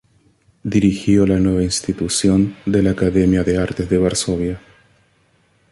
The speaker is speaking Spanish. Dirigió la nueva institución de la Academia de Artes de Varsovia.